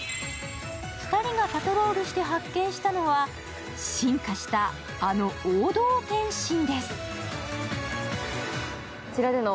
２人がパトロールして発見したのは、進化したあの王道点心です。